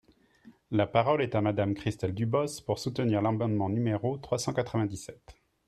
La parole est à Madame Christelle Dubos, pour soutenir l’amendement numéro trois cent quatre-vingt-dix-sept.